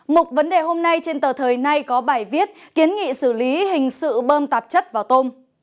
mục vấn đề hôm nay trên tờ thời nay có bài viết kiến nghị xử lý hình sự bơm tạp chất vào tôm